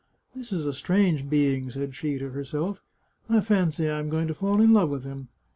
" This is a strange being," said she to her self. " I fancy I am going to fall in love with him.